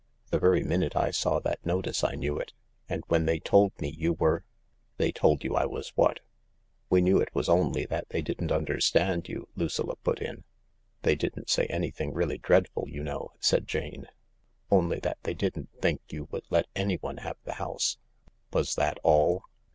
The very minute I saw that notice I knew it. And when they told me you were ..." "They told you I was what ?"" Vfe knew it was only that they didn't understand you," Lucilla put in. "They didn't say anything really dreadful, you know," said Jane; "only that they didn't think you would let anyone have the house." " Was that all